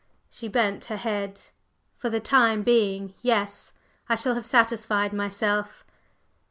She bent her head. "For the time being yes! I shall have satisfied myself."